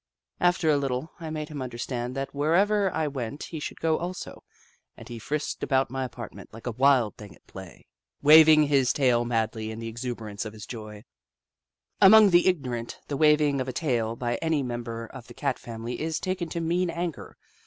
After a little, I made him understand that wherever I went he should go also, and he frisked about my apartment like a wild thing at play, 4 The Book of Clever Beasts waving his tail madly in the exuberance of his joy Among the ignorant, the waving of a tail by any member of the Cat family is taken to mean anger.